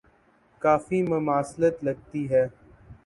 کافی مماثلت لگتی ہے۔